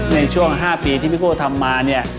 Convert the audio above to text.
ในช่วง๕ปีที่พี่โก้ทำมาเนี่ย